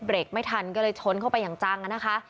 ไม่ทันก็เลยชนเข้าไปอย่างจังนะคะ